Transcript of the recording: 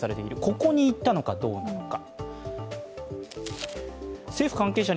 ここに行ったのかどうか。